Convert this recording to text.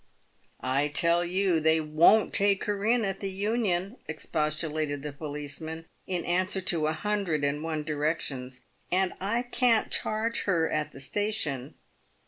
" I tell you they won't take her in at the Union," expostulated the policeman, in answer to a hundred and one directions, " and I can't charge her at the station.